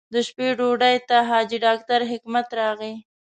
د شپې ډوډۍ ته حاجي ډاکټر حکمت راغی.